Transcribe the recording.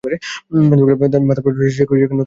তাহার পর সেখান হইতে কমলার মাতুলালয়েও লইয়া যাইব।